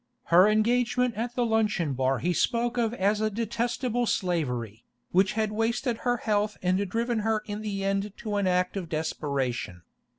Her engagement at the luncheon bar he spoke of as a detestable slavery, which had wasted her health and driven her in the end to an act of desperation.